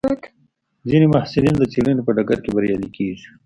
ځینې محصلین د څېړنې په ډګر کې بریالي کېږي.